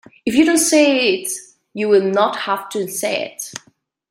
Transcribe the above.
If you don't say it you will not have to unsay it.